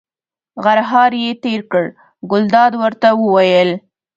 غرهار یې تېر کړ، ګلداد ورته وویل.